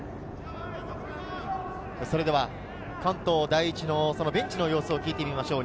関東第一のベンチの様子を聞いてみましょう。